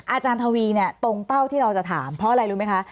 อาจารย์ทวีเนี่ยตรงเป้าที่เราจะถามเพราะอะไรรู้ไหมคะ